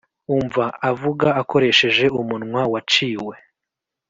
umva avuga akoresheje umunwa waciwe